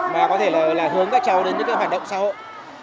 mà có thể là hướng các cháu đến những hoạt động xã hội